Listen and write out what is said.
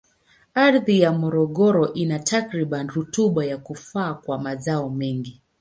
Ardhi ya Morogoro ina takribani rutuba ya kufaa kwa mazao mengi.